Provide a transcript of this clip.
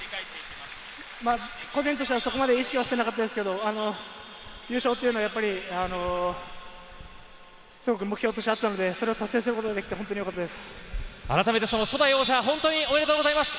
個人としてはそこまで意識していなかったですけど、優勝はやっぱりすごく目標としてあったので、それを達成することができて本当によかったです。